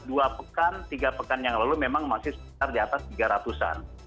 dua pekan tiga pekan yang lalu memang masih sekitar di atas tiga ratus an